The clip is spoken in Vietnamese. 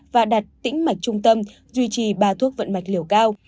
và đặt tĩnh mạch trung tâm duy trì ba thuốc vận mạch liều cao